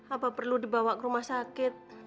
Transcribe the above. apa perlu dibawa ke rumah sakit